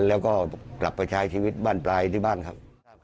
แล้วก็กลับไปใช้ชีวิตบ้านปลายที่บ้านครับ